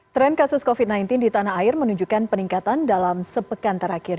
tren kasus covid sembilan belas di tanah air menunjukkan peningkatan dalam sepekan terakhir